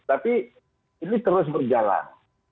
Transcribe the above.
tapi ini terus berjalan